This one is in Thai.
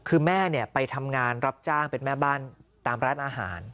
คือแม่ไปทำงานรับจ้างเป็นแม่บ้านตามร้านอาหาร